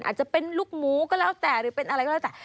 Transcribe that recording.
อาจจะเป็นลูกหมูก็แล้วแต่หรือเป็นอะไรก็แล้วแต่